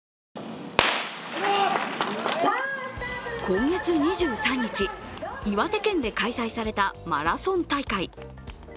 今月２３日、岩手県で開催されたマラソン大会。